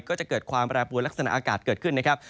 ก็จะเกิดความแปรปวนลักษณะอากาศเกิดขึ้นนะครับ